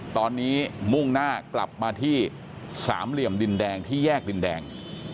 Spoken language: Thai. ตอนนี้มุ่งหน้ากลับมาที่สามเหลี่ยมดินแดงที่แยกดินแดง